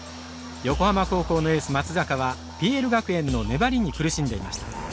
横浜高校のエース松坂はＰＬ学園の粘りに苦しんでいました。